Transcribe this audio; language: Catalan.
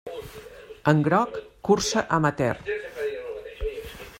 En groc, cursa amateur.